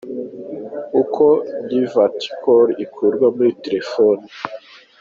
Uko Divert call ikurwa muri telefoni.